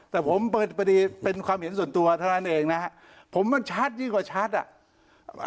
แต่ผมเปิดพอดีเป็นความเห็นส่วนตัวเท่านั้นเองนะฮะผมมันชัดยิ่งกว่าชัดอ่ะ